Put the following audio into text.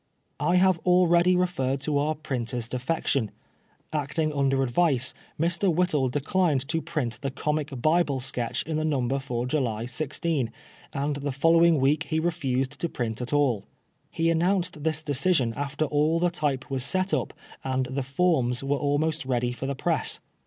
I have already referred to our printer's defection. Acting under advice, Mr. Whittle declined to print the Comic Bible Sketch in the number for July 16, and the following week he refused to print at all. He an nounced this decision after all the type was set up and the " formes " were almost ready for the press.